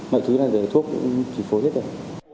mọi thứ là để thuốc chỉ phối hết rồi